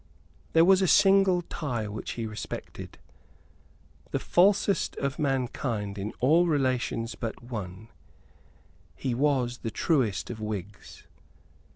There was a single tie which he respected. The falsest of mankind in all relations but one, he was the truest of Whigs.